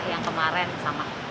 yang kemarin sama